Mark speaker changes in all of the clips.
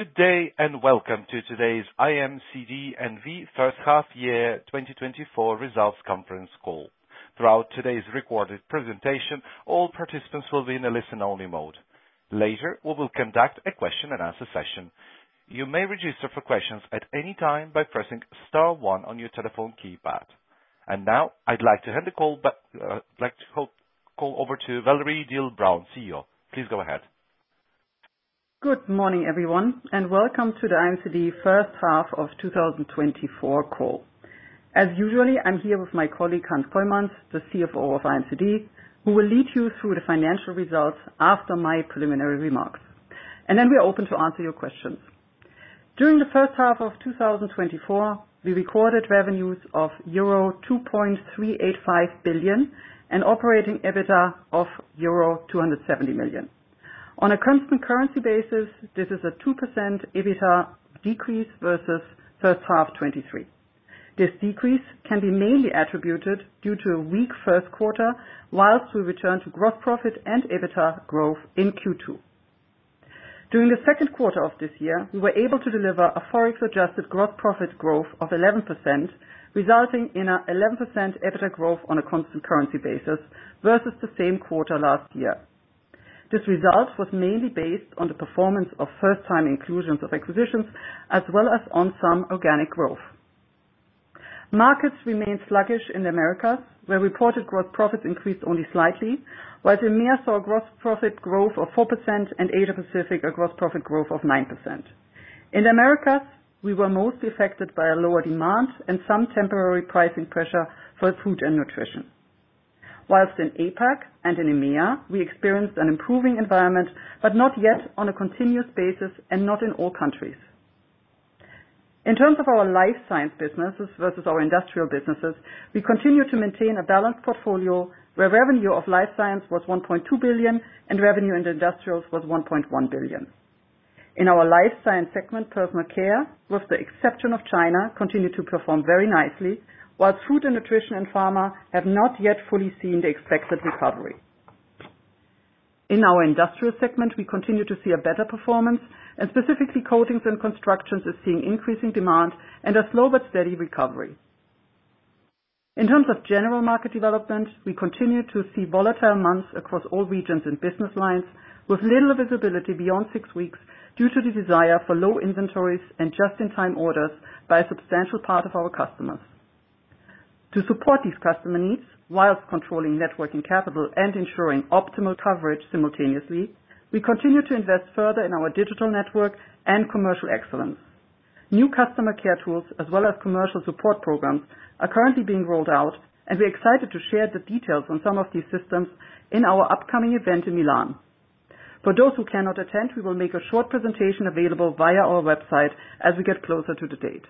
Speaker 1: Good day, and welcome to today's IMCD N.V. first half-year 2024 results conference call. Throughout today's recorded presentation, all participants will be in a listen-only mode. Later, we will conduct a question and answer session. You may register for questions at any time by pressing star one on your telephone keypad. And now I'd like to hand the call over to Valerie Diele-Braun, CEO. Please go ahead.
Speaker 2: Good morning, everyone, and welcome to the IMCD first half of 2024 call. As usual, I'm here with my colleague, Hans Kooijmans, the CFO of IMCD, who will lead you through the financial results after my preliminary remarks, and then we're open to answer your questions. During the first half of 2024, we recorded revenues of euro 2.385 billion and operating EBITDA of euro 270 million. On a constant currency basis, this is a 2% EBITDA decrease versus first half 2023. This decrease can be mainly attributed to a weak first quarter, while we return to gross profit and EBITDA growth in Q2. During the second quarter of this year, we were able to deliver a Forex-adjusted gross profit growth of 11%, resulting in an 11% EBITDA growth on a constant currency basis versus the same quarter last year. This result was mainly based on the performance of first-time inclusions of acquisitions, as well as on some organic growth. Markets remained sluggish in Americas, where reported gross profits increased only slightly, while EMEA saw a gross profit growth of 4% and Asia Pacific, a gross profit growth of 9%. In Americas, we were mostly affected by a lower demand and some temporary pricing pressure for food and nutrition. While in APAC and in EMEA, we experienced an improving environment, but not yet on a continuous basis and not in all countries. In terms of our life science businesses versus our industrial businesses, we continue to maintain a balanced portfolio where revenue of life science was 1.2 billion and revenue in the industrials was 1.1 billion. In our life science segment, personal care, with the exception of China, continued to perform very nicely, while food and nutrition and pharma have not yet fully seen the expected recovery. In our industrial segment, we continue to see a better performance, and specifically, coatings and construction is seeing increasing demand and a slow but steady recovery. In terms of general market development, we continue to see volatile months across all regions and business lines, with little visibility beyond six weeks due to the desire for low inventories and just-in-time orders by a substantial part of our customers. To support these customer needs, while controlling net working capital and ensuring optimal coverage simultaneously, we continue to invest further in our digital network and commercial excellence. New customer care tools as well as commercial support programs are currently being rolled out, and we're excited to share the details on some of these systems in our upcoming event in Milan. For those who cannot attend, we will make a short presentation available via our website as we get closer to the date.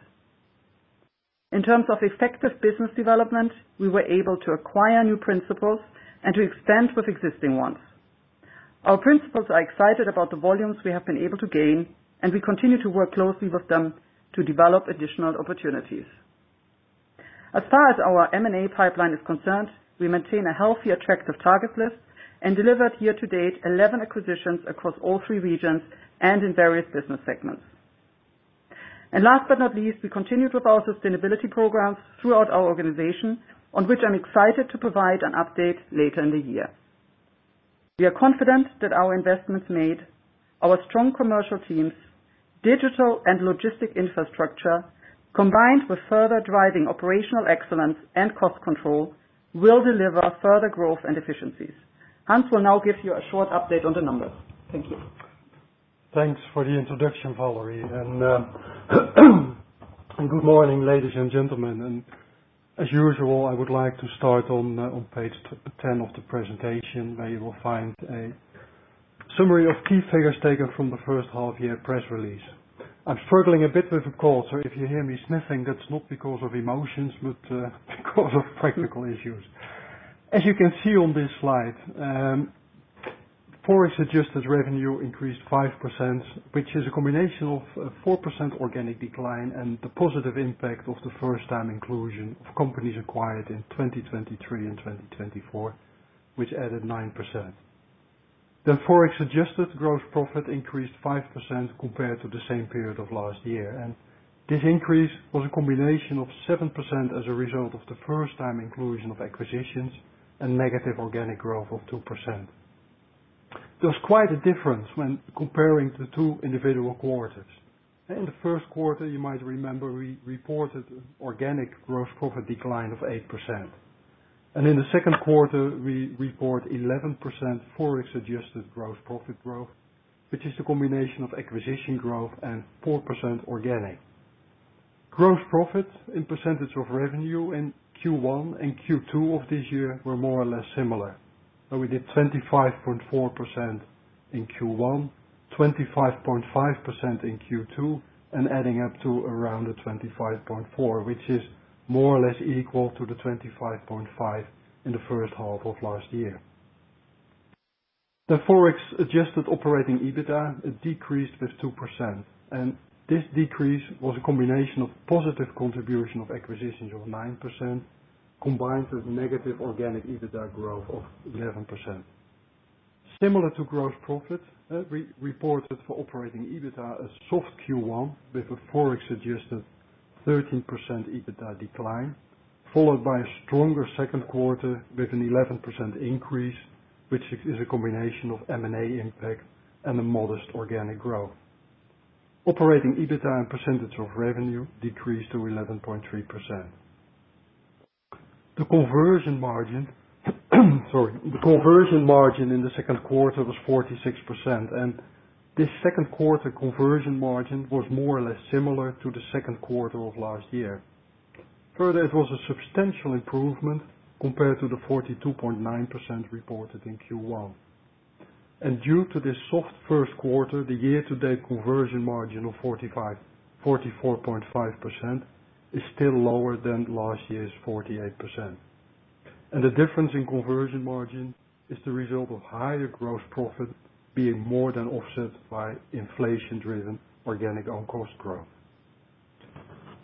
Speaker 2: In terms of effective business development, we were able to acquire new principals and to expand with existing ones. Our principals are excited about the volumes we have been able to gain, and we continue to work closely with them to develop additional opportunities. As far as our M&A pipeline is concerned, we maintain a healthy, attractive target list and delivered year to date 11 acquisitions across all three regions and in various business segments. Last but not least, we continued with our sustainability programs throughout our organization, on which I'm excited to provide an update later in the year. We are confident that our investments made, our strong commercial teams, digital and logistics infrastructure, combined with further driving operational excellence and cost control, will deliver further growth and efficiencies. Hans will now give you a short update on the numbers. Thank you.
Speaker 3: Thanks for the introduction, Valerie, and good morning, ladies and gentlemen. As usual, I would like to start on page ten of the presentation, where you will find a summary of key figures taken from the first half year press release. I'm struggling a bit with a cold, so if you hear me sniffing, that's not because of emotions, but because of practical issues. As you can see on this slide, Forex-adjusted revenue increased 5%, which is a combination of a 4% organic decline and the positive impact of the first time inclusion of companies acquired in 2023 and 2024, which added 9%. The Forex-adjusted gross profit increased 5% compared to the same period of last year, and this increase was a combination of 7% as a result of the first time inclusion of acquisitions and negative organic growth of 2%. There's quite a difference when comparing the two individual quarters. In the first quarter, you might remember, we reported organic gross profit decline of 8%, and in the second quarter, we report 11% Forex-adjusted gross profit growth, which is the combination of acquisition growth and 4% organic. Gross profit in percentage of revenue in Q1 and Q2 of this year were more or less similar. So we did 25.4% in Q1, 25.5% in Q2, and adding up to around a 25.4, which is more or less equal to the 25.5 in the first half of last year. The Forex-adjusted operating EBITDA decreased with 2%, and this decrease was a combination of positive contribution of acquisitions of 9%, combined with negative organic EBITDA growth of 11%.... Similar to gross profit, we reported for operating EBITDA, a soft Q1 with a Forex-adjusted 13% EBITDA decline, followed by a stronger second quarter with an 11% increase, which is a combination of M&A impact and a modest organic growth. Operating EBITDA and percentage of revenue decreased to 11.3%. The conversion margin, sorry, the conversion margin in the second quarter was 46%, and this second quarter conversion margin was more or less similar to the second quarter of last year. Further, it was a substantial improvement compared to the 42.9% reported in Q1. Due to this soft first quarter, the year-to-date conversion margin of 44.5% is still lower than last year's 48%. The difference in conversion margin is the result of higher gross profit being more or less offset by inflation-driven organic own cost growth.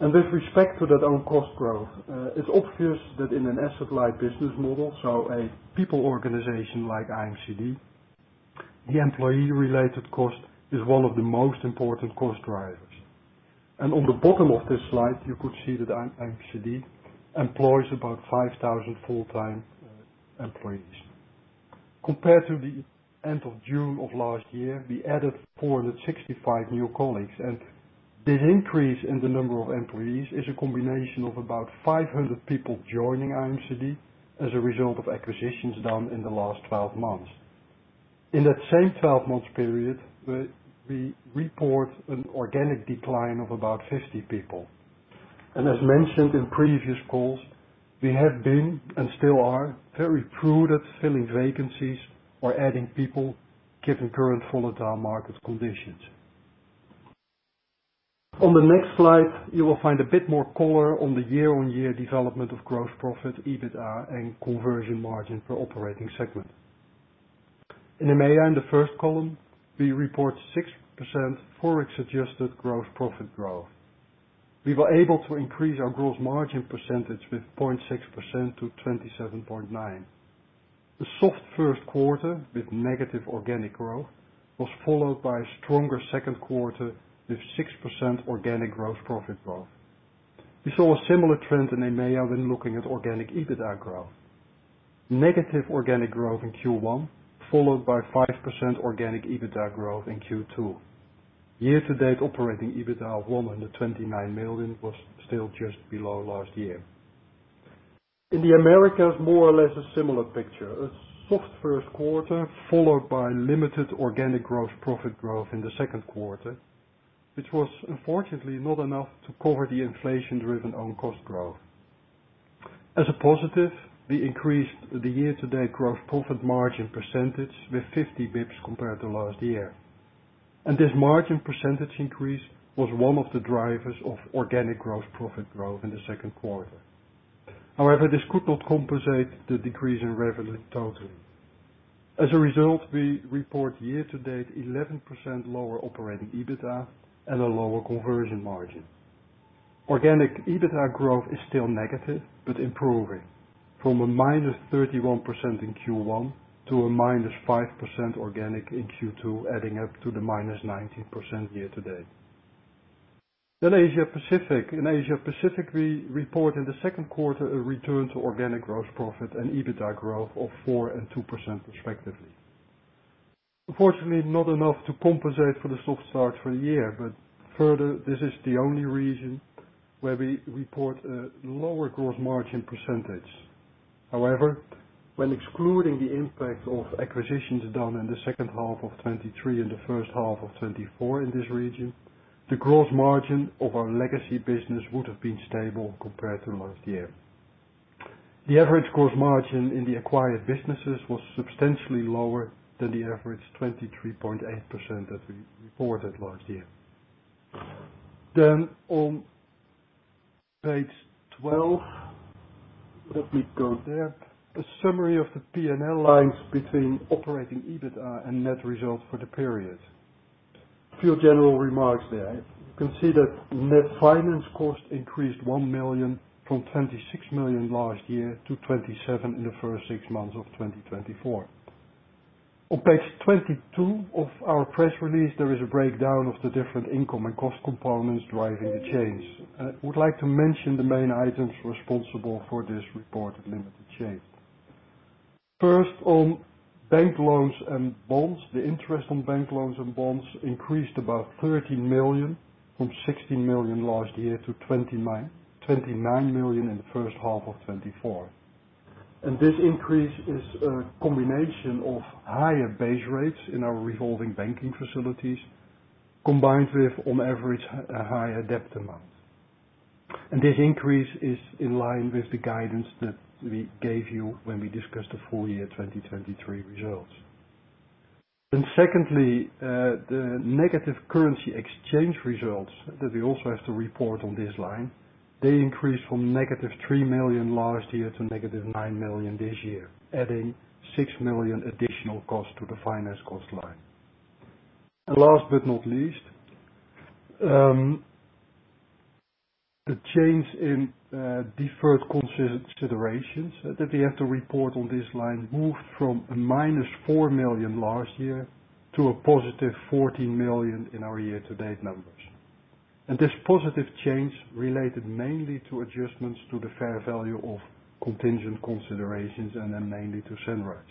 Speaker 3: With respect to that own cost growth, it's obvious that in an asset-light business model, so a people organization like IMCD, the employee-related cost is one of the most important cost drivers. And on the bottom of this slide, you could see that, IMCD employs about 5,000 full-time employees. Compared to the end of June of last year, we added 465 new colleagues, and this increase in the number of employees is a combination of about 500 people joining IMCD as a result of acquisitions done in the last 12 months. In that same 12-month period, we report an organic decline of about 50 people. As mentioned in previous calls, we have been, and still are, very prudent at filling vacancies or adding people, given current volatile market conditions. On the next slide, you will find a bit more color on the year-on-year development of gross profit, EBITDA, and conversion margin per operating segment. In EMEA, in the first column, we report 6% Forex-adjusted gross profit growth. We were able to increase our gross margin percentage with 0.6% to 27.9. The soft first quarter with negative organic growth was followed by a stronger second quarter, with 6% organic gross profit growth. We saw a similar trend in EMEA when looking at organic EBITDA growth. Negative organic growth in Q1, followed by 5% organic EBITDA growth in Q2. Year-to-date operating EBITDA of 129 million was still just below last year. In the Americas, more or less a similar picture, a soft first quarter, followed by limited organic gross profit growth in the second quarter, which was unfortunately not enough to cover the inflation-driven own cost growth. As a positive, we increased the year-to-date gross profit margin percentage with 50 basis points compared to last year, and this margin percentage increase was one of the drivers of organic gross profit growth in the second quarter. However, this could not compensate the decrease in revenue totally. As a result, we report year-to-date 11% lower operating EBITDA and a lower conversion margin. Organic EBITDA growth is still negative, but improving from a -31% in Q1 to a -5% organic in Q2, adding up to the -19% year-to-date. Then Asia Pacific. In Asia Pacific, we report in the second quarter a return to organic gross profit and EBITDA growth of 4% and 2% respectively. Unfortunately, not enough to compensate for the soft start for the year, but further, this is the only region where we report a lower gross margin percentage. However, when excluding the impact of acquisitions done in the second half of 2023 and the first half of 2024 in this region, the gross margin of our legacy business would have been stable compared to last year. The average gross margin in the acquired businesses was substantially lower than the average 23.8% that we reported last year. Then on page 12, let me go there. A summary of the P&L lines between operating EBITDA and net results for the period. A few general remarks there. You can see that net finance costs increased 1 million from 26 million last year to 27 million in the first six months of 2024. On page 22 of our press release, there is a breakdown of the different income and cost components driving the change. I would like to mention the main items responsible for this reported limited change. First, on bank loans and bonds. The interest on bank loans and bonds increased about 13 million, from 16 million last year to twenty-nine, twenty-nine million in the first half of 2024. This increase is a combination of higher base rates in our revolving banking facilities, combined with, on average, a higher debt amount. And this increase is in line with the guidance that we gave you when we discussed the full year 2023 results. Then secondly, the negative currency exchange results that we also have to report on this line, they increased from negative 3 million last year to negative 9 million this year, adding 6 million additional cost to the finance cost line. And last but not least, the change in deferred considerations that we have to report on this line moved from a minus 4 million last year to a positive 14 million in our year-to-date numbers. And this positive change related mainly to adjustments to the fair value of contingent considerations and then mainly to Sunrise.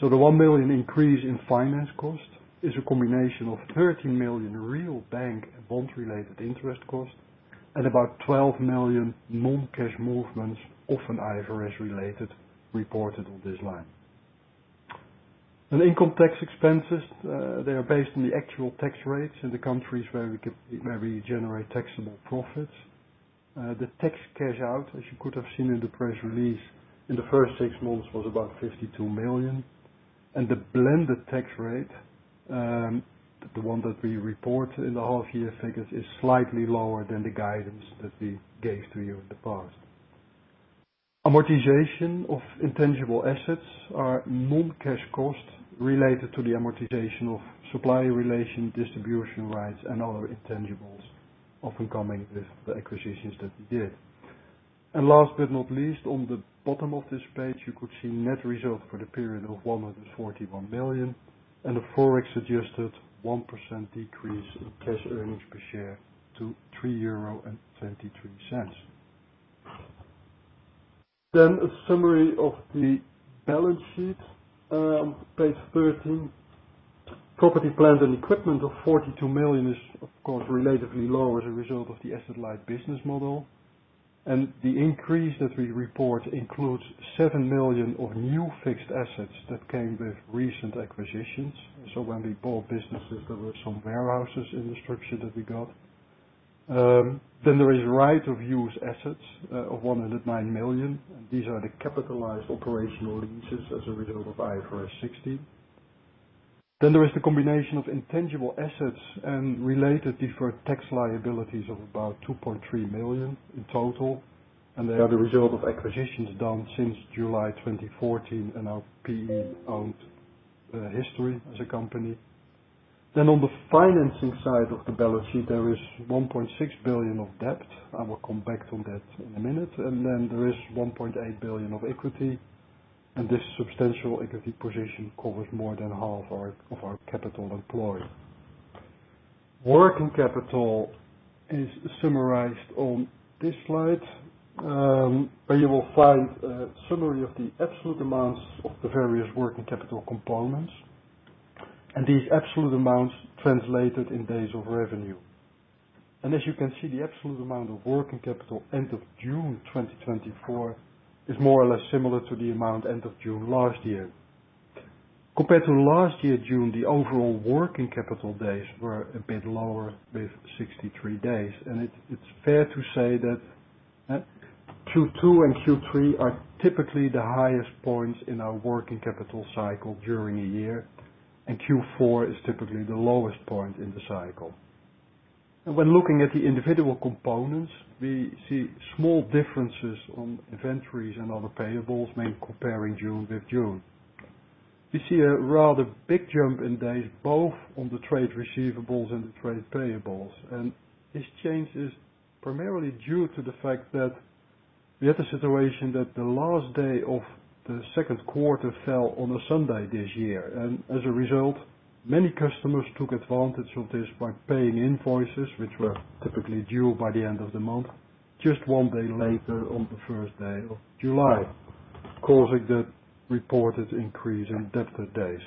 Speaker 3: So the 1 million increase in finance cost is a combination of 13 million real bank and bond-related interest costs and about 12 million non-cash movements, often IFRS related, reported on this line. Income tax expenses, they are based on the actual tax rates in the countries where we generate taxable profits. The tax cash out, as you could have seen in the press release in the first 6 months, was about 52 million. The blended tax rate, the one that we report in the half year figures, is slightly lower than the guidance that we gave to you in the past. Amortization of intangible assets are non-cash costs related to the amortization of supplier relation, distribution rights and other intangibles, often coming with the acquisitions that we did. Last but not least, on the bottom of this page, you could see net results for the period of 141 million and a Forex adjusted 1% decrease in cash earnings per share to 3.23 euro. A summary of the balance sheet. Page 13. Property, plant, and equipment of 42 million is, of course, relatively low as a result of the asset-light business model, and the increase that we report includes 7 million of new fixed assets that came with recent acquisitions. So when we bought businesses, there were some warehouses in the structure that we got. Then there is right of use assets of 109 million, and these are the capitalized operational leases as a result of IFRS 16. Then there is the combination of intangible assets and related deferred tax liabilities of about 2.3 million in total, and they are the result of acquisitions done since July 2014 and our PE-owned history as a company. Then on the financing side of the balance sheet, there is 1.6 billion of debt. I will come back to that in a minute. And then there is 1.8 billion of equity, and this substantial equity position covers more than half of our capital employed. Working capital is summarized on this slide, where you will find a summary of the absolute amounts of the various working capital components and the absolute amounts translated in days of revenue. As you can see, the absolute amount of working capital end of June 2024 is more or less similar to the amount end of June last year. Compared to last year, June, the overall working capital days were a bit lower, with 63 days, and it's fair to say that Q2 and Q3 are typically the highest points in our working capital cycle during a year, and Q4 is typically the lowest point in the cycle. When looking at the individual components, we see small differences on inventories and other payables when comparing June with June. We see a rather big jump in days, both on the trade receivables and the trade payables, and this change is primarily due to the fact that we had a situation that the last day of the second quarter fell on a Sunday this year. As a result, many customers took advantage of this by paying invoices, which were typically due by the end of the month, just one day later, on the first day of July, causing the reported increase in debtor days.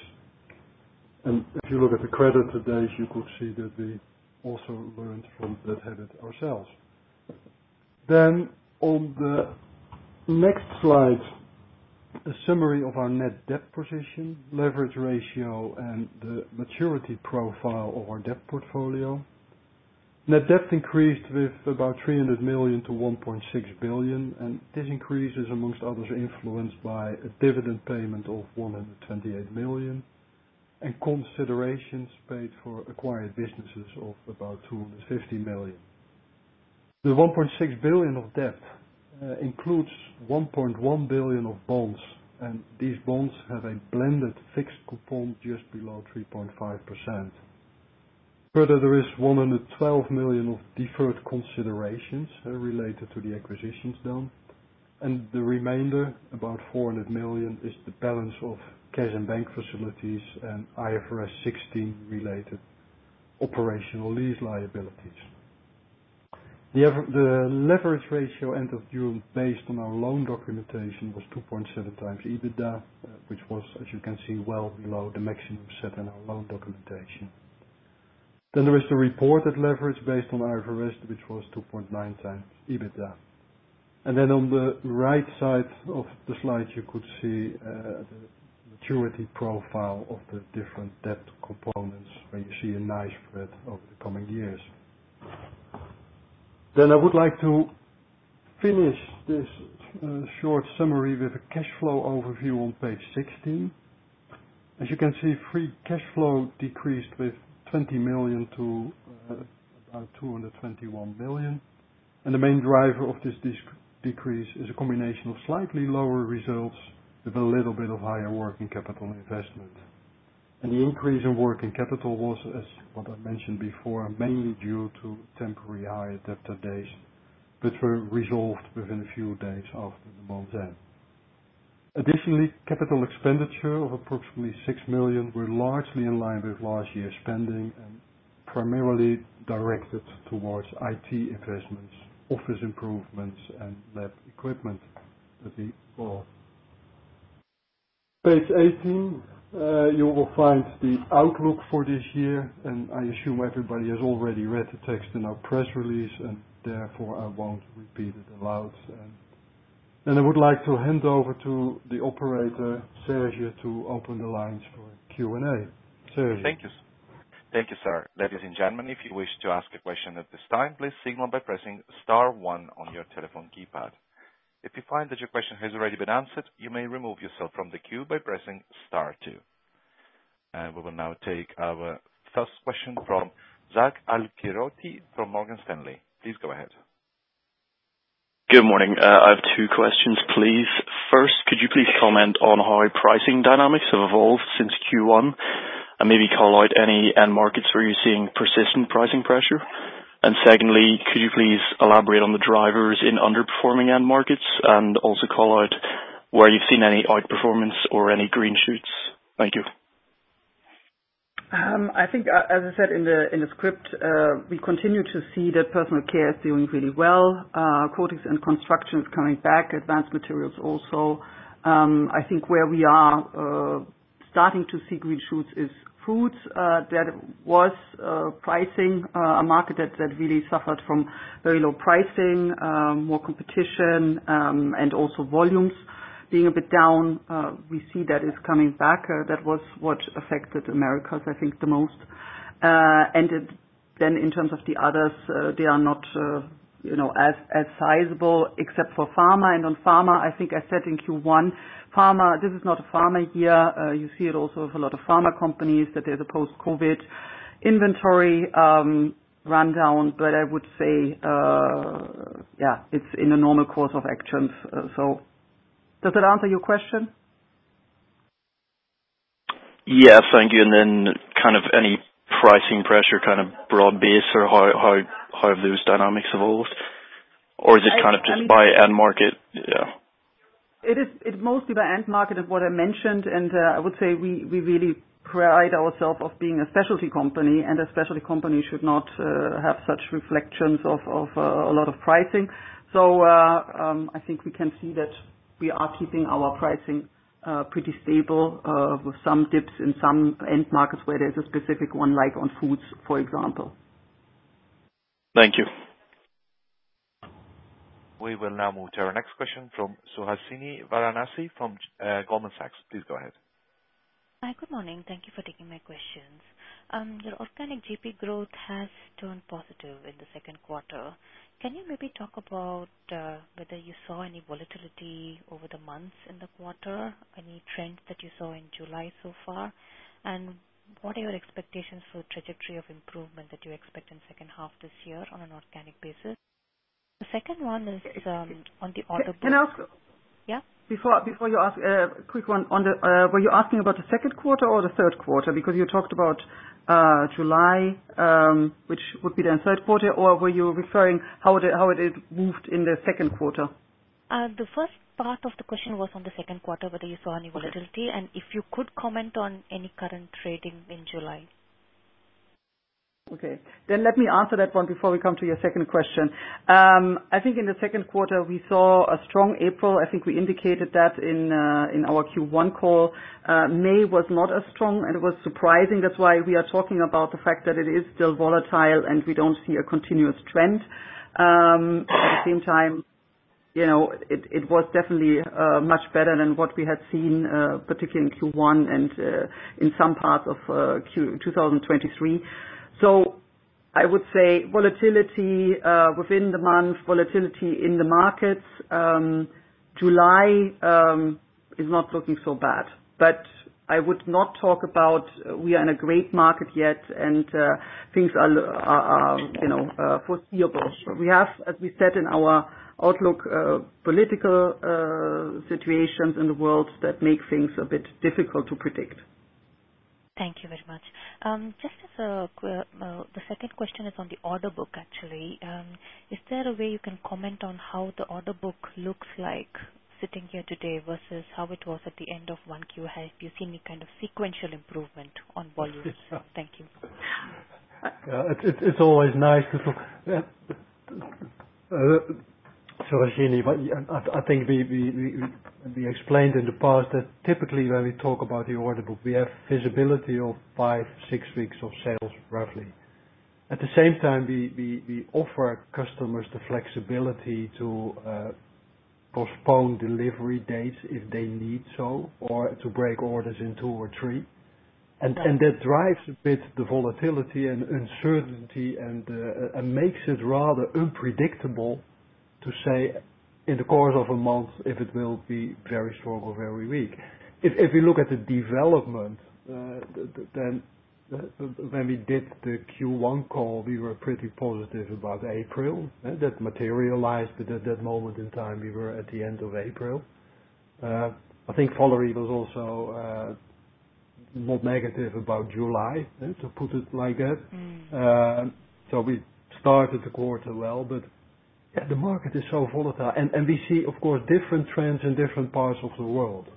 Speaker 3: If you look at the creditor days, you could see that we also learned from that habit ourselves. On the next slide, a summary of our net debt position, leverage ratio and the maturity profile of our debt portfolio. Net debt increased with about 300 million to 1.6 billion, and this increase is, among others, influenced by a dividend payment of 128 million and considerations paid for acquired businesses of about 250 million. The 1.6 billion of debt includes 1.1 billion of bonds, and these bonds have a blended fixed coupon just below 3.5%. Further, there is 112 million of deferred considerations related to the acquisitions done, and the remainder, about 400 million, is the balance of cash and bank facilities and IFRS 16 related operational lease liabilities. The leverage ratio end of June, based on our loan documentation, was 2.7x EBITDA, which was, as you can see, well below the maximum set in our loan documentation. Then there is the reported leverage based on IFRS, which was 2.9x EBITDA. And then on the right side of the slide, you could see, the maturity profile of the different debt components, where you see a nice spread of the coming years. Then I would like to finish this, short summary with a cash flow overview on page 16. As you can see, free cash flow decreased with 20 million to, about 221 million, and the main driver of this decrease is a combination of slightly lower results with a little bit of higher working capital investment. And the increase in working capital was, as what I mentioned before, mainly due to temporary high debtor days, which were resolved within a few days after the month end. Additionally, capital expenditure of approximately 6 million were largely in line with last year's spending and primarily directed towards IT investments, office improvements, and lab equipment as well. Page 18, you will find the outlook for this year, and I assume everybody has already read the text in our press release, and therefore, I won't repeat it aloud. I would like to hand over to the operator, Sergio, to open the lines for Q&A. Sergio?
Speaker 1: Thank you. Thank you, sir. Ladies and gentlemen, if you wish to ask a question at this time, please signal by pressing star one on your telephone keypad. If you find that your question has already been answered, you may remove yourself from the queue by pressing star two. We will now take our first question from Zachariah Al-Qaryooti from Morgan Stanley. Please go ahead.
Speaker 4: Good morning. I have two questions, please. First, could you please comment on how pricing dynamics have evolved since Q1, and maybe call out any end markets where you're seeing persistent pricing pressure? And secondly, could you please elaborate on the drivers in underperforming end markets, and also call out where you've seen any outperformance or any green shoots? Thank you.
Speaker 2: I think, as I said in the script, we continue to see that personal care is doing really well. Coatings and construction is coming back, advanced materials also. I think where we are starting to see green shoots is foods. That was pricing, a market that really suffered from very low pricing, more competition, and also volumes being a bit down. We see that is coming back. That was what affected Americas, I think, the most. Then in terms of the others, they are not, you know, as sizable except for pharma. And on pharma, I think I said in Q1, pharma, this is not a pharma year. You see it also with a lot of pharma companies, that there's a post-COVID inventory rundown. But I would say, yeah, it's in the normal course of actions. So does that answer your question?
Speaker 4: Yeah. Thank you. And then kind of any pricing pressure, kind of broad-based, or how, how, how have those dynamics evolved? Or is it kind of just by end market? Yeah.
Speaker 2: It is, it's mostly by end market of what I mentioned, and I would say we really pride ourselves on being a specialty company, and a specialty company should not have such reflections of a lot of pricing. So, I think we can see that we are keeping our pricing pretty stable with some dips in some end markets where there's a specific one, like on foods, for example.
Speaker 4: Thank you.
Speaker 1: We will now move to our next question from Suhasini Varanasi from Goldman Sachs. Please go ahead.
Speaker 5: Hi, good morning. Thank you for taking my questions. Your organic GP growth has turned positive in the second quarter. Can you maybe talk about whether you saw any volatility over the months in the quarter, any trends that you saw in July so far? And what are your expectations for the trajectory of improvement that you expect in second half this year on an organic basis? The second one is on the order book-
Speaker 2: Can I ask?
Speaker 5: Yeah.
Speaker 2: Before, before you ask, quick one on the... Were you asking about the second quarter or the third quarter? Because you talked about, July, which would be the third quarter, or were you referring how it, how it has moved in the second quarter?
Speaker 5: The first part of the question was on the second quarter, whether you saw any volatility-
Speaker 2: Got it.
Speaker 5: And if you could comment on any current trading in July?
Speaker 2: Okay. Then let me answer that one before we come to your second question. I think in the second quarter we saw a strong April. I think we indicated that in, in our Q1 call. May was not as strong, and it was surprising. That's why we are talking about the fact that it is still volatile, and we don't see a continuous trend. At the same time, you know, it, it was definitely, much better than what we had seen, particularly in Q1 and, in some parts of, Q2 2023. So I would say volatility, within the month, volatility in the markets, July, is not looking so bad. But I would not talk about we are in a great market yet, and, things are, you know, foreseeable. We have, as we said in our outlook, political situations in the world that make things a bit difficult to predict.
Speaker 5: Thank you very much. Just as a, the second question is on the order book, actually. Is there a way you can comment on how the order book looks like sitting here today versus how it was at the end of 1Q? Have you seen any kind of sequential improvement on volume? Thank you.
Speaker 3: It's always nice to talk, Suhasini, but I think we explained in the past that typically when we talk about the order book, we have visibility of 5-6 weeks of sales, roughly. At the same time, we offer our customers the flexibility to postpone delivery dates if they need so, or to break orders in 2 or 3. And that drives a bit the volatility and uncertainty and makes it rather unpredictable to say in the course of a month, if it will be very strong or very weak. If you look at the development, then when we did the Q1 call, we were pretty positive about April, and that materialized, but at that moment in time, we were at the end of April. I think Valerie was also more negative about July, to put it like that. So we started the quarter well, but yeah, the market is so volatile, and we see, of course, different trends in different parts of the world.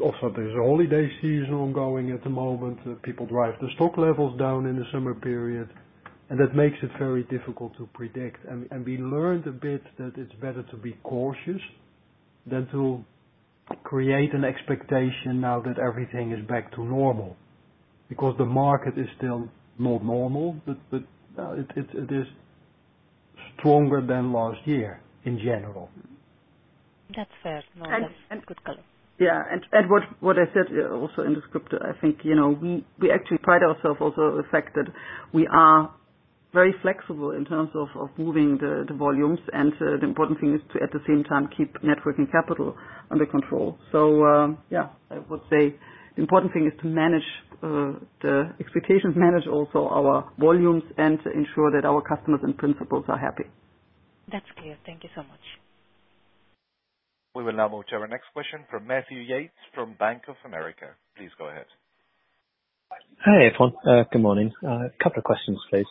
Speaker 3: Also there's a holiday season ongoing at the moment, people drive the stock levels down in the summer period, and that makes it very difficult to predict. We learned a bit that it's better to be cautious than to create an expectation now that everything is back to normal, because the market is still not normal, but it is stronger than last year, in general.
Speaker 5: That's fair. And good color.
Speaker 2: Yeah, and what I said also in the script, I think, you know, we actually pride ourselves also the fact that we are very flexible in terms of moving the volumes, and the important thing is to, at the same time, keep et Working Capital under control. So, yeah, I would say the important thing is to manage the expectations, manage also our volumes, and to ensure that our customers and principals are happy.
Speaker 5: That's clear. Thank you so much.
Speaker 1: We will now move to our next question from Matthew Yates, from Bank of America. Please go ahead.
Speaker 6: Hi, everyone. Good morning. A couple of questions, please.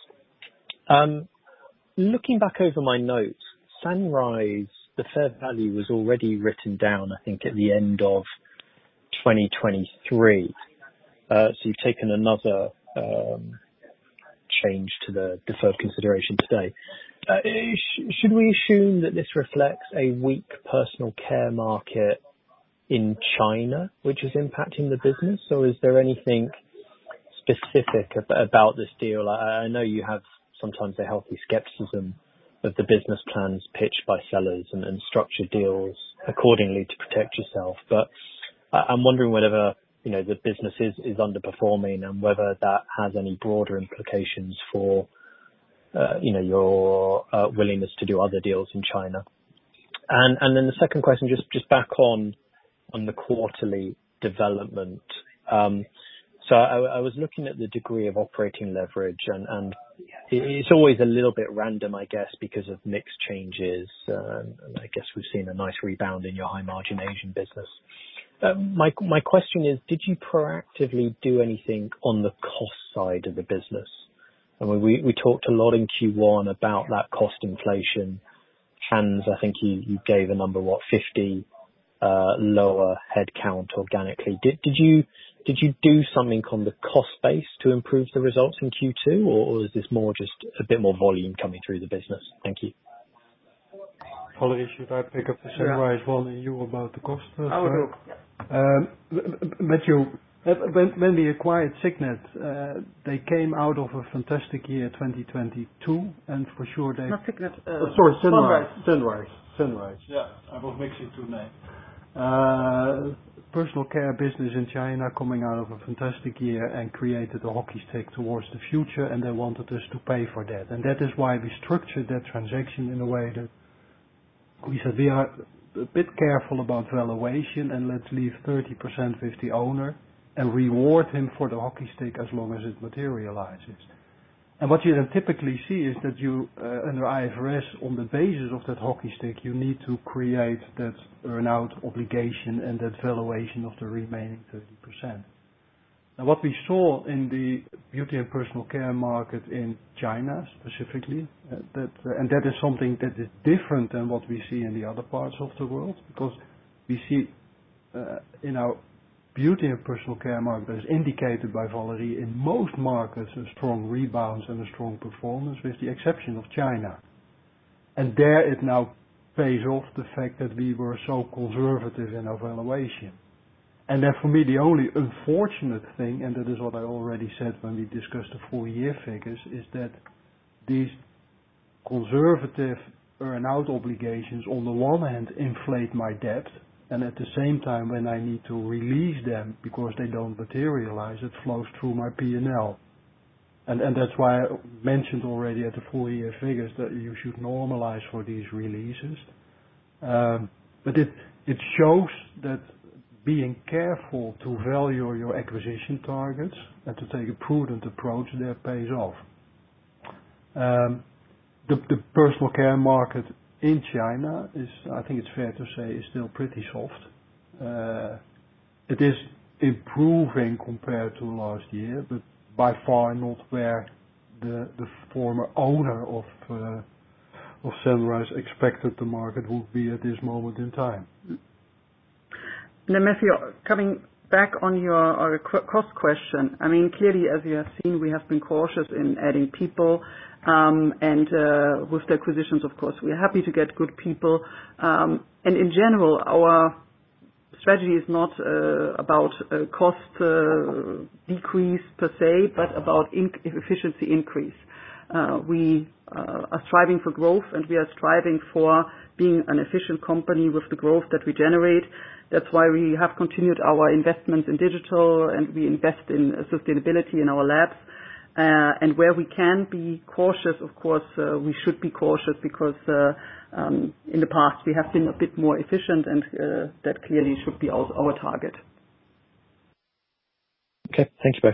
Speaker 6: Looking back over my notes, Sunrise, the fair value was already written down, I think, at the end of 2023. So you've taken another charge to the deferred consideration today. Should we assume that this reflects a weak personal care market in China, which is impacting the business? Or is there anything specific about this deal? I know you have sometimes a healthy skepticism of the business plans pitched by sellers and structure deals accordingly to protect yourself. But I'm wondering whether, you know, the business is underperforming, and whether that has any broader implications for, you know, your willingness to do other deals in China. And then the second question, just back on the quarterly development. So I was looking at the degree of operating leverage, and it's always a little bit random, I guess, because of mixed changes, and I guess we've seen a nice rebound in your high margin Asian business. My question is, did you proactively do anything on the cost side of the business? I mean, we talked a lot in Q1 about that cost inflation. Hans, I think he gave a number, 50 lower headcount organically. Did you do something on the cost base to improve the results in Q2, or is this more just a bit more volume coming through the business? Thank you.
Speaker 3: Valerie, should I pick up the Sunrise one, and you about the cost?
Speaker 2: I will do, yeah.
Speaker 3: Matthew, when, when we acquired Signet, they came out of a fantastic year, 2022, and for sure they-
Speaker 2: Not Signet,
Speaker 3: Sorry.
Speaker 2: Sunrise.
Speaker 3: Sunrise. Sunrise.
Speaker 6: Yeah. I was mixing two names.
Speaker 3: Personal care business in China coming out of a fantastic year and created a hockey stick towards the future, and they wanted us to pay for that. And that is why we structured that transaction in a way that we said, "We are a bit careful about valuation, and let's leave 30% with the owner, and reward him for the hockey stick as long as it materializes." And what you then typically see is that you, under IFRS, on the basis of that hockey stick, you need to create that earnout obligation and that valuation of the remaining 30%. Now, what we saw in the beauty and personal care market in China, specifically, that... That is something that is different than what we see in the other parts of the world, because we see in our beauty and personal care market, as indicated by Valerie, in most markets, a strong rebounds and a strong performance, with the exception of China. And there, it now pays off the fact that we were so conservative in our valuation. And then for me, the only unfortunate thing, and that is what I already said when we discussed the full year figures, is that these conservative earn-out obligations, on the one hand, inflate my debt, and at the same time, when I need to release them, because they don't materialize, it flows through my PNL. And that's why I mentioned already at the full year figures that you should normalize for these releases. But it shows that being careful to value your acquisition targets and to take a prudent approach there pays off. The personal care market in China is, I think it's fair to say, still pretty soft. It is improving compared to last year, but by far not where the former owner of Sunrise expected the market would be at this moment in time.
Speaker 2: Matthew, coming back on your cost question. I mean, clearly, as you have seen, we have been cautious in adding people and with acquisitions, of course. We're happy to get good people. And in general, our strategy is not about a cost decrease per se, but about efficiency increase. We are striving for growth, and we are striving for being an efficient company with the growth that we generate. That's why we have continued our investment in digital, and we invest in sustainability in our labs and where we can be cautious, of course, we should be cautious, because in the past, we have been a bit more efficient, and that clearly should be our target.
Speaker 6: Okay, thanks guys.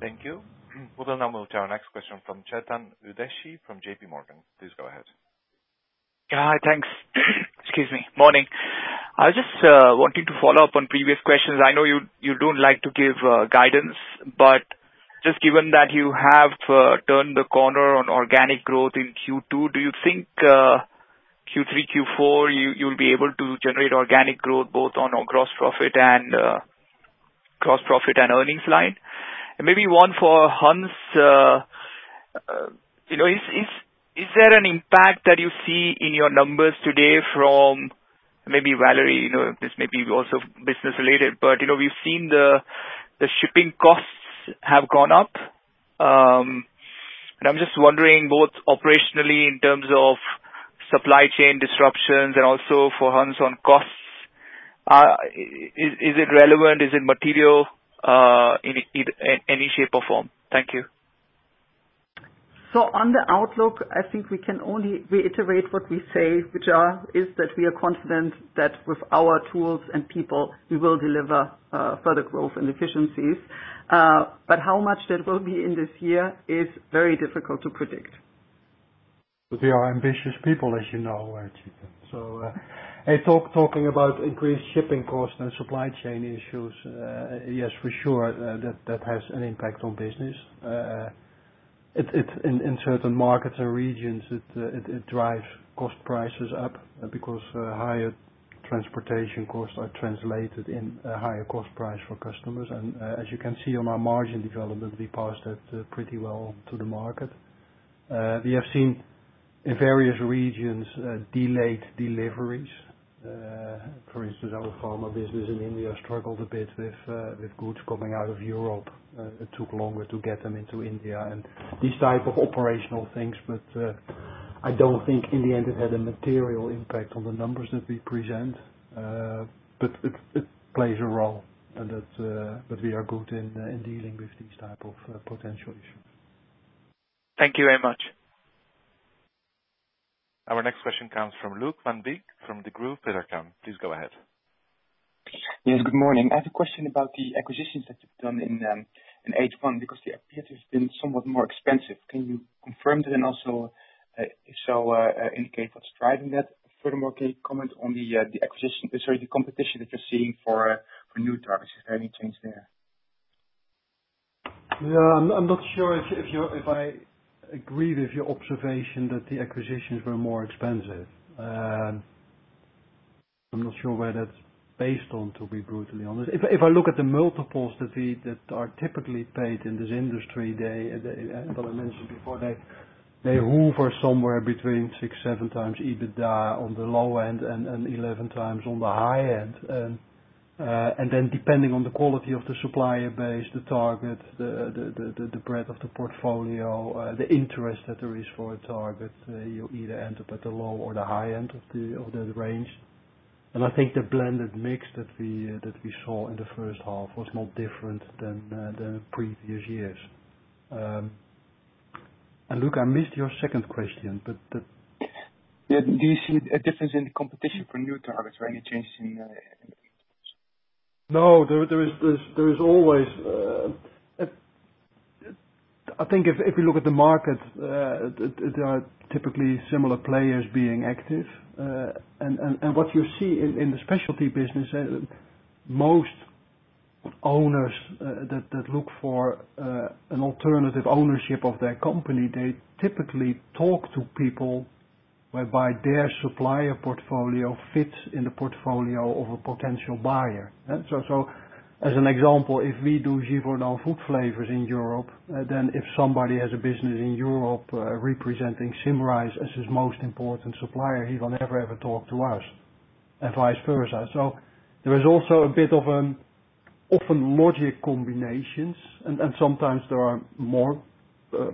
Speaker 1: Thank you. We will now move to our next question from Chetan Udeshi, from J.P. Morgan. Please go ahead.
Speaker 7: Hi, thanks. Excuse me, morning. I was just wanting to follow up on previous questions. I know you, you don't like to give guidance, but just given that you have turned the corner on organic growth in Q2, do you think Q3, Q4, you'll be able to generate organic growth both on our gross profit and gross profit and earnings line? And maybe one for Hans, you know, is there an impact that you see in your numbers today from maybe Valerie, you know, this may be also business related, but you know, we've seen the shipping costs have gone up. And I'm just wondering, both operationally, in terms of supply chain disruptions, and also for Hans on costs, is it relevant? Is it material any shape or form? Thank you.
Speaker 2: On the outlook, I think we can only reiterate what we say, which are, is that we are confident that with our tools and people, we will deliver further growth and efficiencies. But how much that will be in this year is very difficult to predict.
Speaker 3: But we are ambitious people, as you know, Chetan. So, talking about increased shipping costs and supply chain issues, yes, for sure, that has an impact on business. It, in certain markets and regions, it drives cost prices up, because higher transportation costs are translated in a higher cost price for customers. And, as you can see on our margin development, we passed that pretty well to the market. We have seen in various regions delayed deliveries. For instance, our pharma business in India struggled a bit with goods coming out of Europe. It took longer to get them into India and these type of operational things, but I don't think in the end it had a material impact on the numbers that we present. But it plays a role, and that, but we are good in dealing with these type of potential issues.
Speaker 7: Thank you very much.
Speaker 1: Our next question comes from Luuk van Beek from Degroof Petercam. Please go ahead.
Speaker 8: Yes, good morning. I have a question about the acquisitions that you've done in H1, because the acquisition has been somewhat more expensive. Can you confirm that, and also, if so, indicate what's driving that? Furthermore, can you comment on the competition that you're seeing for new targets, is there any change there?
Speaker 3: Yeah, I'm not sure if I agree with your observation that the acquisitions were more expensive. I'm not sure where that's based on, to be brutally honest. If I look at the multiples that are typically paid in this industry, they, as I mentioned before, they hover somewhere between 6-7x EBITDA on the low end, and 11x on the high end. And then depending on the quality of the supplier base, the target, the breadth of the portfolio, the interest that there is for a target, you either end up at the low or the high end of the range. And I think the blended mix that we saw in the first half was not different than previous years. Luuk, I missed your second question, but the-
Speaker 8: Yeah. Do you see a difference in the competition for new targets, or any changes in-
Speaker 3: No, there is always. I think if you look at the market, there are typically similar players being active. And what you see in the specialty business, most owners that look for an alternative ownership of their company, they typically talk to people whereby their supplier portfolio fits in the portfolio of a potential buyer. So as an example, if we do Givaudan food flavors in Europe, then if somebody has a business in Europe, representing Symrise as his most important supplier, he will never, ever talk to us, and vice versa. So there is also a bit of an often logic combinations, and sometimes there are more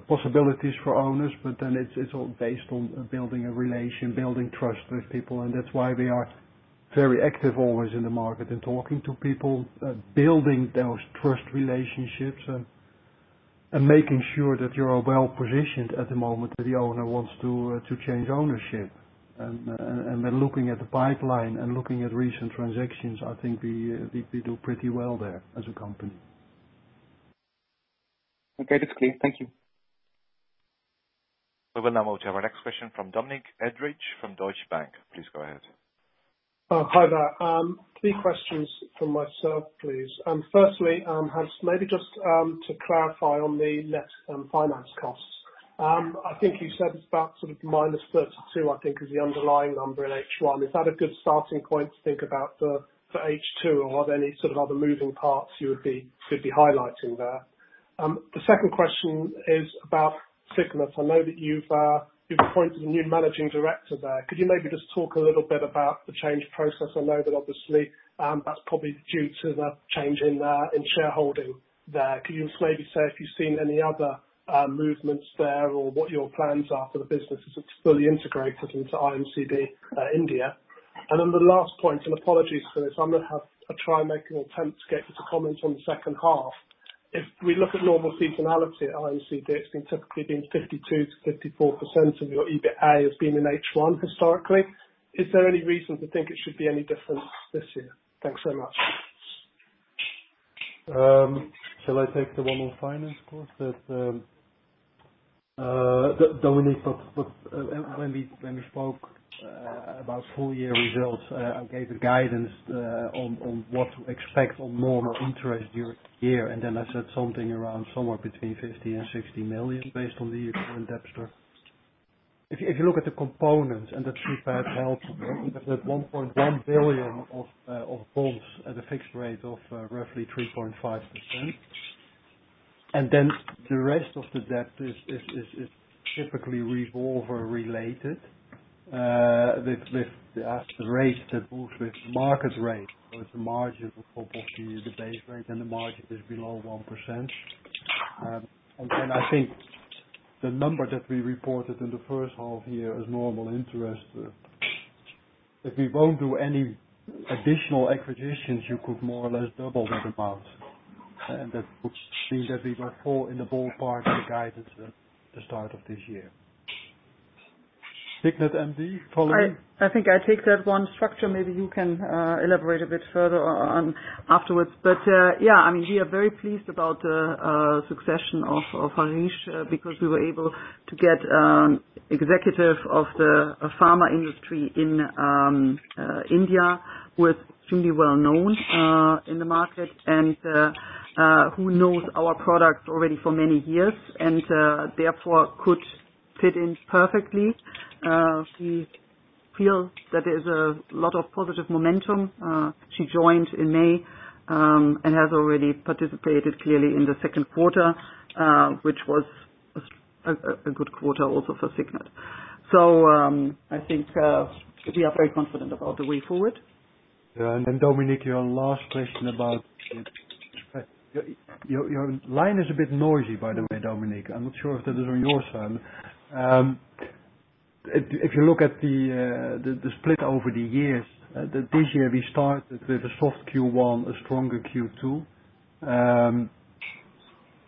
Speaker 3: possibilities for owners, but then it's all based on building a relation, building trust with people, and that's why we are very active always in the market and talking to people, building those trust relationships, and making sure that you are well-positioned at the moment that the owner wants to change ownership. And looking at the pipeline, and looking at recent transactions, I think we do pretty well there as a company.
Speaker 8: Okay, that's clear. Thank you.
Speaker 1: We will now move to our next question from Dominic Edridge, from Deutsche Bank. Please go ahead.
Speaker 9: Hi there. Three questions from myself, please. Firstly, Hans, maybe just to clarify on the net finance costs. I think you said it's about sort of minus 32, I think, is the underlying number in H1. Is that a good starting point to think about for H2, or are there any sort of other moving parts you would be highlighting there? The second question is about Signet. I know that you've appointed a new managing director there. Could you maybe just talk a little bit about the change process? I know that obviously, that's probably due to the change in shareholding there. Can you maybe say if you've seen any other movements there, or what your plans are for the business as it's fully integrated into IMCD India?... And then the last point, and apologies for this, I'm gonna have a try and make an attempt to get you to comment on the second half. If we look at normal seasonality at IMCD, it's been typically been 52%-54% of your EBITDA as being in H1, historically. Is there any reason to think it should be any different this year? Thanks so much.
Speaker 3: Shall I take the one on finance, of course? But, Dominic, when we spoke about full year results, I gave the guidance on what to expect on normal interest during the year, and then I said something around somewhere between 50 million and 60 million, based on the current debt structure. If you look at the components and the 3 billion of bonds at a fixed rate of roughly 3.5%. And then the rest of the debt is typically revolver related, with the rate that moves with market rate, so it's a margin above the base rate, and the margin is below 1%. I think the number that we reported in the first half year as normal interest, if we won't do any additional acquisitions, you could more or less double that amount, and that would seem that we were fall in the ballpark of the guidance at the start of this year. Signet MD, Valerie?
Speaker 2: I think I take that one. Structure, maybe you can elaborate a bit further on afterwards. But yeah, I mean, we are very pleased about the succession of Harish because we were able to get executive of the pharma industry in India, who is truly well known in the market, and who knows our products already for many years, and therefore could fit in perfectly. We feel that there's a lot of positive momentum. She joined in May and has already participated clearly in the second quarter, which was a good quarter also for Signet. So I think we are very confident about the way forward.
Speaker 3: Yeah, and then, Dominic, your last question about... your line is a bit noisy, by the way, Dominic. I'm not sure if that is on your side. If you look at the split over the years, this year we started with a soft Q1, a stronger Q2.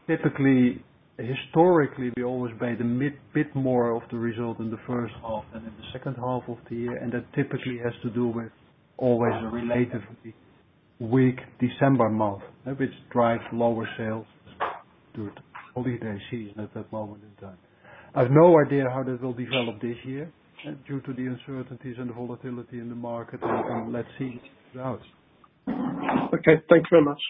Speaker 3: Typically, historically, we always made a bit more of the result in the first half than in the second half of the year, and that typically has to do with always a relatively weak December month, which drives lower sales due to holiday season at that moment in time. I've no idea how this will develop this year, due to the uncertainties and volatility in the market. Let's see what happens.
Speaker 9: Okay, thank you very much.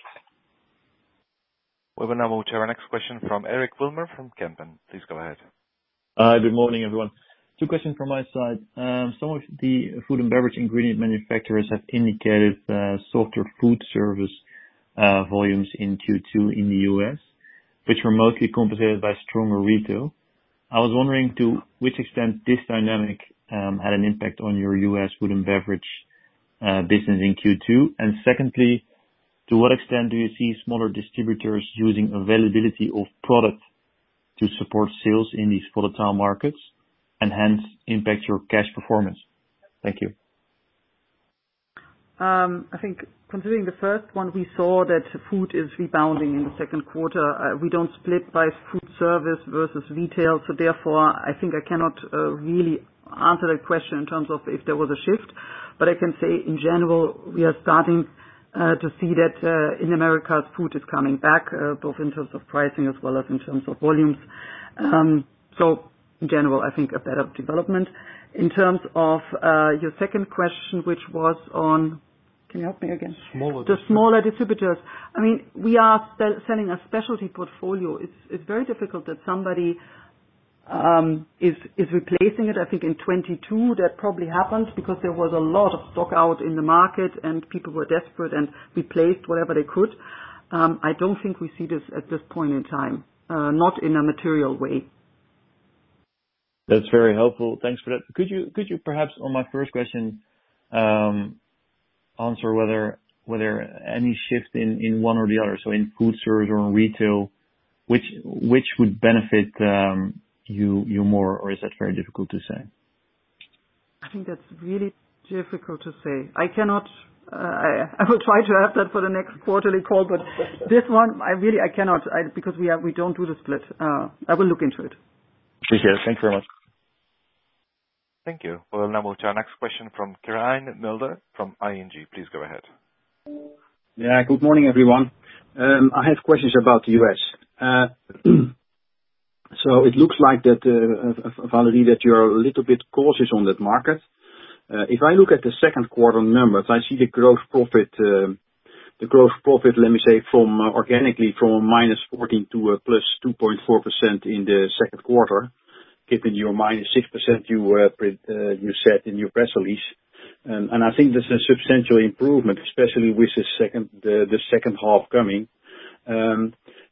Speaker 1: We will now move to our next question from Eric Wilmer, from Kempen. Please go ahead.
Speaker 10: Good morning, everyone. Two questions from my side. Some of the food and beverage ingredient manufacturers have indicated softer food service volumes in Q2 in the U.S., which were mostly compensated by stronger retail. I was wondering, to which extent this dynamic had an impact on your U.S. food and beverage business in Q2? And secondly, to what extent do you see smaller distributors using availability of product to support sales in these volatile markets, and hence impact your cash performance? Thank you.
Speaker 2: I think considering the first one, we saw that food is rebounding in the second quarter. We don't split by food service versus retail, so therefore, I think I cannot really answer that question in terms of if there was a shift. But I can say in general, we are starting to see that in America, food is coming back both in terms of pricing as well as in terms of volumes. So in general, I think a better development. In terms of your second question, which was on... Can you help me again?
Speaker 3: Smaller-
Speaker 2: The smaller distributors. I mean, we are selling a specialty portfolio. It's very difficult that somebody is replacing it. I think in 2022, that probably happened, because there was a lot of stock out in the market, and people were desperate and replaced whatever they could. I don't think we see this at this point in time, not in a material way.
Speaker 10: That's very helpful. Thanks for that. Could you perhaps, on my first question, answer whether there were any shift in one or the other, so in food service or in retail, which would benefit you more, or is that very difficult to say?
Speaker 2: I think that's really difficult to say. I cannot. I will try to have that for the next quarterly call, but this one, I really cannot, because we don't do the split. I will look into it.
Speaker 10: Thank you. Thank you very much.
Speaker 1: Thank you. We will now move to our next question from Quirijn Mulder, from ING. Please go ahead.
Speaker 11: Yeah, good morning, everyone. I have questions about the US. So it looks like that, Valerie, that you're a little bit cautious on that market. If I look at the second quarter numbers, I see the gross profit, the gross profit, let me say, from organic from -14% to +2.4% in the second quarter, given your -6% you, pre- you said in your press release. And I think this is a substantial improvement, especially with the second, the, the second half coming.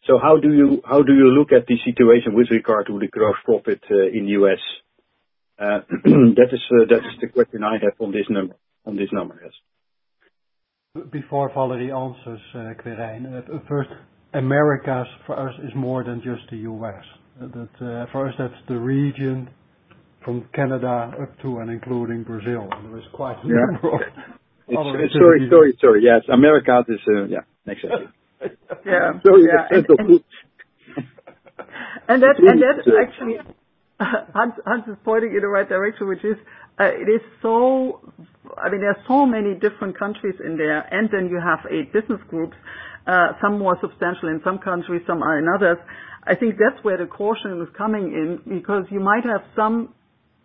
Speaker 11: So how do you, how do you look at the situation with regard to the gross profit, in US? That is, that is the question I have on this number, on this numbers.
Speaker 3: Before Valerie answers, Quirijn, at first, Americas for us is more than just the U.S. That, for us, that's the region from Canada up to and including Brazil, and there is quite a number of-
Speaker 11: Sorry, sorry, sorry. Yes, America is, yeah, exactly.
Speaker 2: Yeah.
Speaker 12: So-
Speaker 2: And that's actually, Hans, Hans is pointing you in the right direction, which is, it is so... I mean, there are so many different countries in there, and then you have eight business groups, some more substantial in some countries, some are in others. I think that's where the caution is coming in, because you might have some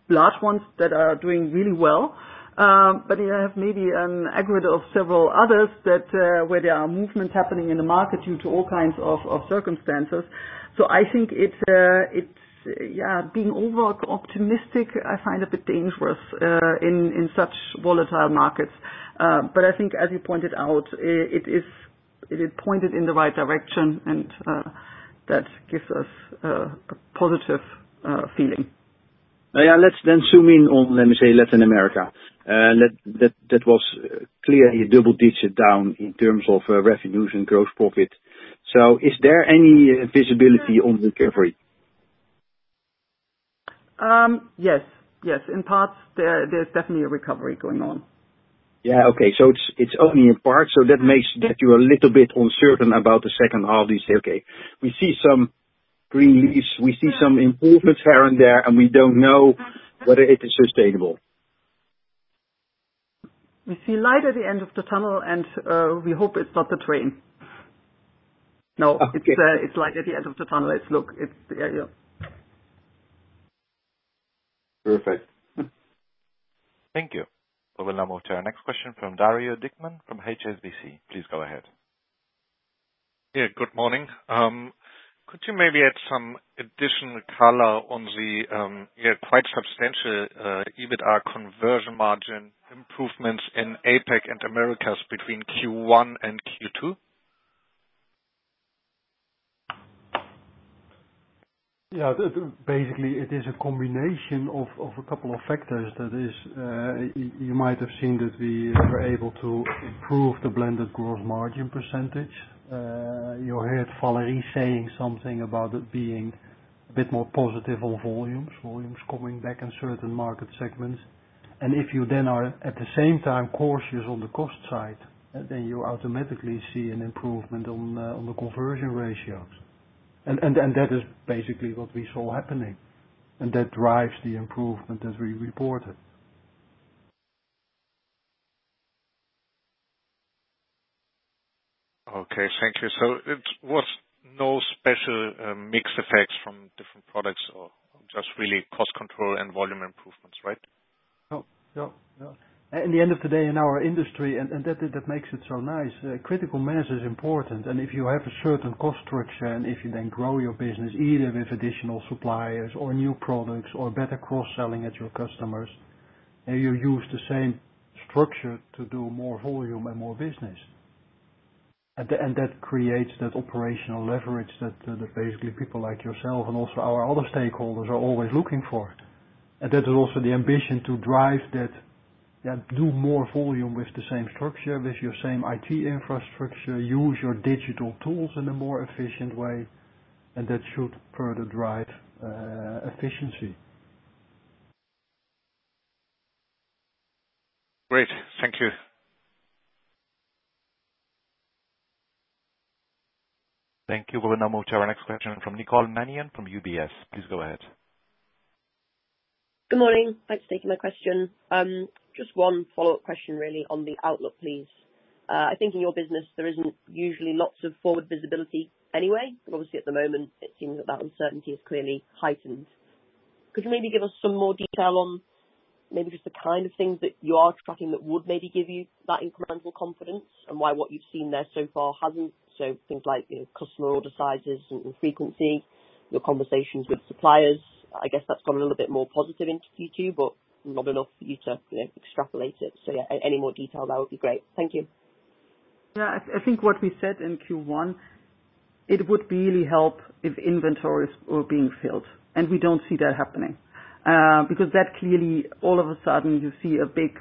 Speaker 2: large ones that are doing really well, but you have maybe an aggregate of several others that, where there are movements happening in the market due to all kinds of circumstances. So I think it's, yeah, being overall optimistic, I find a bit dangerous, in such volatile markets. But I think as you pointed out, it is pointed in the right direction, and that gives us a positive feeling.
Speaker 11: Yeah, let's then zoom in on, let me say, Latin America. That was clearly a double-digit down in terms of revenues and gross profit. So is there any visibility on recovery?
Speaker 2: Yes. Yes, in parts, there, there's definitely a recovery going on.
Speaker 11: Yeah. Okay. So it's, it's only in part, so that makes you a little bit uncertain about the second half, you say, "Okay, we see some green leaves, we see some improvements here and there, and we don't know whether it is sustainable.
Speaker 2: We see light at the end of the tunnel, and we hope it's not a train.
Speaker 11: Okay....
Speaker 2: it's, it's light at the end of the tunnel. It's look, it's yeah, yeah.
Speaker 11: Perfect.
Speaker 1: Thank you. We'll now move to our next question from Dario Dickmann from HSBC. Please go ahead.
Speaker 13: Yeah, good morning. Could you maybe add some additional color on the, yeah, quite substantial EBITDA conversion margin improvements in APAC and Americas between Q1 and Q2?
Speaker 3: Yeah. Basically, it is a combination of a couple of factors. That is, you might have seen that we were able to improve the blended gross margin percentage. You heard Valerie saying something about it being a bit more positive on volumes coming back in certain market segments. And if you then are, at the same time, cautious on the cost side, then you automatically see an improvement on the conversion ratios. And that is basically what we saw happening, and that drives the improvement as we report it.
Speaker 13: Okay, thank you. So it was no special, mixed effects from different products or just really cost control and volume improvements, right?
Speaker 3: No, no, no. At the end of the day, in our industry, and, and that, that makes it so nice, critical mass is important. And if you have a certain cost structure, and if you then grow your business, either with additional suppliers or new products, or better cross-selling at your customers, and you use the same structure to do more volume and more business, and that, and that creates that operational leverage that, that basically people like yourself and also our other stakeholders are always looking for. And that is also the ambition to drive that, that do more volume with the same structure, with your same IT infrastructure, use your digital tools in a more efficient way, and that should further drive, efficiency.
Speaker 13: Great. Thank you.
Speaker 1: Thank you. We'll now move to our next question from Nicole Manion, from UBS. Please go ahead.
Speaker 12: Good morning. Thanks for taking my question. Just one follow-up question really, on the outlook, please. I think in your business there isn't usually lots of forward visibility anyway, but obviously at the moment it seems that that uncertainty has clearly heightened. Could you maybe give us some more detail on maybe just the kind of things that you are tracking that would maybe give you that incremental confidence, and why what you've seen there so far hasn't, so things like, you know, customer order sizes and frequency, your conversations with suppliers. I guess, that's got a little bit more positive in Q2, but not enough for you to, you know, extrapolate it. So yeah, any more detail, that would be great. Thank you.
Speaker 2: Yeah, I, I think what we said in Q1, it would really help if inventories were being filled, and we don't see that happening. Because that clearly, all of a sudden, you see a big,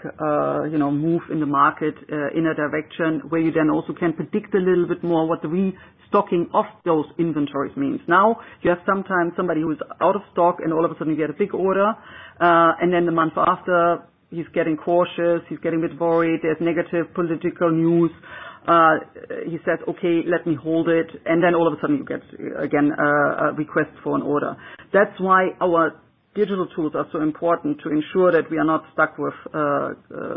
Speaker 2: you know, move in the market, in a direction where you then also can predict a little bit more what the restocking of those inventories means. Now, you have sometimes somebody who's out of stock, and all of a sudden you get a big order, and then the month after, he's getting cautious, he's getting a bit worried. There's negative political news. He says, "Okay, let me hold it." And then all of a sudden you get, again, a request for an order. That's why our digital tools are so important to ensure that we are not stuck with,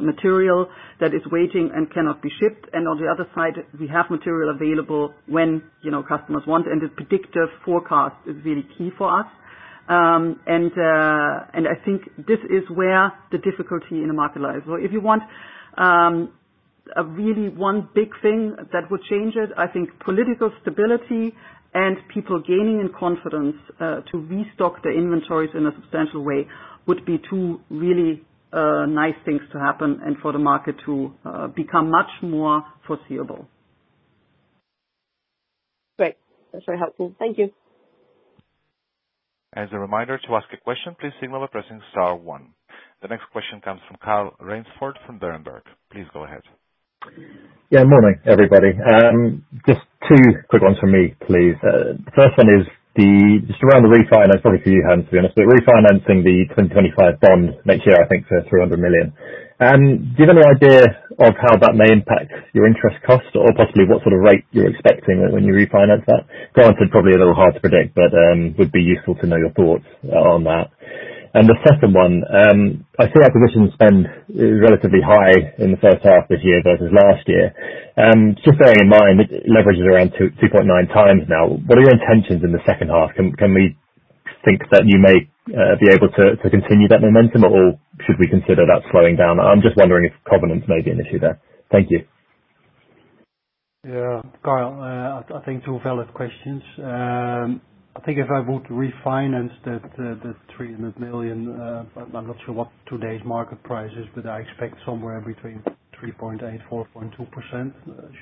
Speaker 2: material that is waiting and cannot be shipped. And on the other side, we have material available when, you know, customers want, and the predictive forecast is really key for us. And I think this is where the difficulty in the market lies. So if you want, a really one big thing that would change it, I think political stability and people gaining in confidence, to restock their inventories in a substantial way, would be two really, nice things to happen, and for the market to, become much more foreseeable... Great. That's very helpful. Thank you.
Speaker 1: As a reminder, to ask a question, please signal by pressing star one. The next question comes from Carl Raynsford, from Berenberg. Please go ahead.
Speaker 14: Yeah, morning, everybody. Just two quick ones from me, please. The first one is just around the refi, and it's probably for you, Hans, to be honest, but refinancing the 2025 bond next year, I think, for 300 million. Do you have any idea of how that may impact your interest cost or possibly what sort of rate you're expecting when you refinance that? Granted, probably a little hard to predict, but would be useful to know your thoughts on that. And the second one, I see acquisition spend relatively high in the first half of this year versus last year. Just bearing in mind, it leverages around 2, 2.9 times now, what are your intentions in the second half? Can we think that you may be able to continue that momentum, or should we consider that slowing down? I'm just wondering if covenants may be an issue there. Thank you.
Speaker 3: Yeah, Carl, I think two valid questions. I think if I were to refinance the 300 million, I'm not sure what today's market price is, but I expect somewhere between 3.8%-4.2%,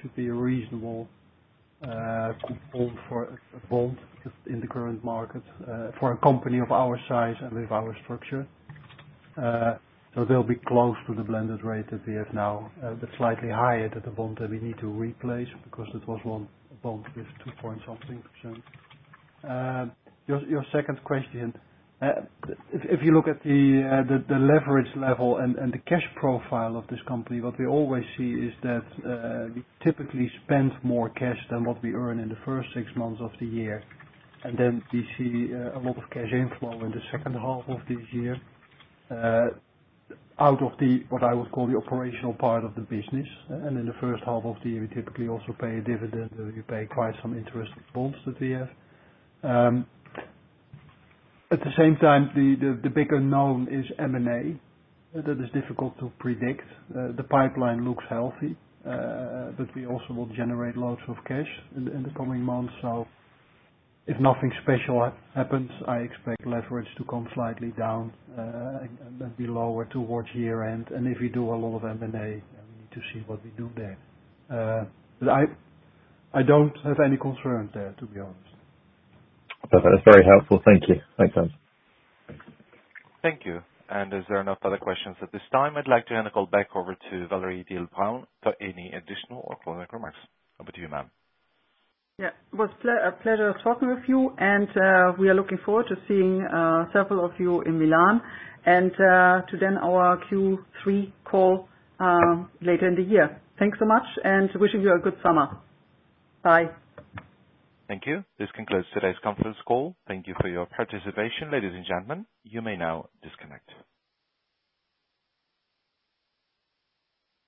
Speaker 3: should be reasonable, hold just in the current market, for a company of our size and with our structure. So they'll be close to the blended rate that we have now, but slightly higher than the bond that we need to replace, because it was one bond with 2-point-something%. Your second question. If you look at the leverage level and the cash profile of this company, what we always see is that we typically spend more cash than what we earn in the first six months of the year. And then we see a lot of cash inflow in the second half of this year out of what I would call the operational part of the business. And in the first half of the year, we typically also pay a dividend, or we pay quite some interest on bonds that we have. At the same time, the bigger unknown is M&A. That is difficult to predict. The pipeline looks healthy, but we also will generate lots of cash in the coming months. So if nothing special happens, I expect leverage to come slightly down, and be lower towards year-end. And if we do a lot of M&A, we need to see what we do there. But I don't have any concerns there, to be honest.
Speaker 14: Okay. That's very helpful. Thank you. Thanks, Hans.
Speaker 1: Thank you. As there are no further questions at this time, I'd like to hand the call back over to Valerie for any additional or closing remarks. Over to you, ma'am.
Speaker 2: Yeah. Well, a pleasure talking with you, and we are looking forward to seeing several of you in Milan, and to then our Q3 call later in the year. Thanks so much, and wishing you a good summer. Bye.
Speaker 1: Thank you. This concludes today's conference call. Thank you for your participation, ladies and gentlemen. You may now disconnect.